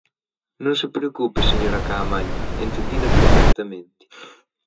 Non se preocupe, señora Caamaño, entendina perfectamente.